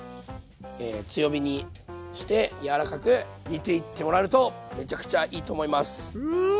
強火にして柔らかく煮ていってもらえるとめちゃくちゃいいと思います。